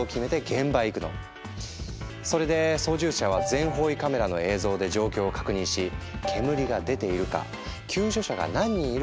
それで操縦者は全方位カメラの映像で状況を確認し煙が出ているか救助者が何人いるかを検出。